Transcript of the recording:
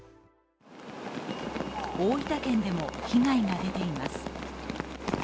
大分県でも被害が出ています。